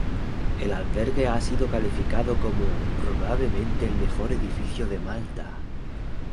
El albergue ha sido calificado como "probablemente el mejor edificio de Malta".